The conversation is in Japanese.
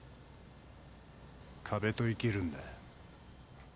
壁と生きるんだ。